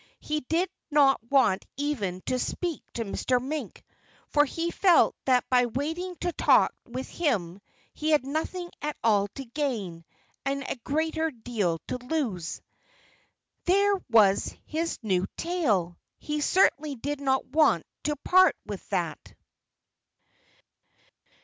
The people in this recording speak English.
He did not want even to speak to Mr. Mink, for he felt that by waiting to talk with him he had nothing at all to gain, and a great deal to lose. There was his new tail! He certainly did not want to part with that!